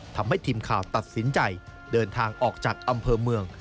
ทำให้ทีมข่าวตัดสินใจเดินทางออกจากอำเภอเมือง